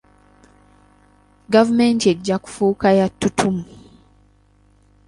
Gavumenti ejja kufuuka ya ttutumu.